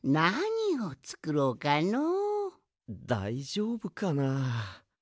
だいじょうぶかな。